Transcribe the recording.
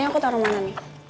ini aku taruh mana nih